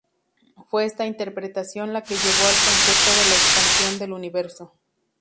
Fue esta interpretación la que llevó al concepto de la expansión del universo.